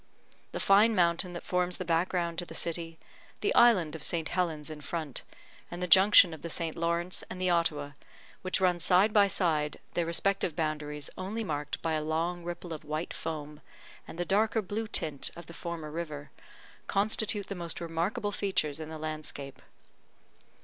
The fine mountain that forms the background to the city, the Island of St. Helens in front, and the junction of the St. Lawrence and the Ottawa which run side by side, their respective boundaries only marked by a long ripple of white foam, and the darker blue tint of the former river constitute the most remarkable features in the landscape.